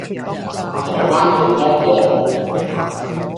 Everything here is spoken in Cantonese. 台灣土芒果